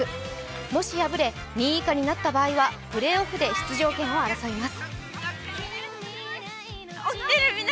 もし敗れ２位以下になった場合はプレーオフで出場権を争います。